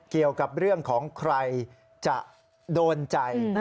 เกี่ยวกับเรื่องของใครจะโดนใจ